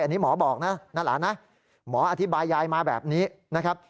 อันนี้หมอบอกนะหน้าหลานนะหมออธิบายยายมาแบบนี้นะครับ